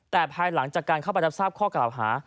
แต่ภายหลังจากการเข้าไปรับทราบข้อกล่าวหา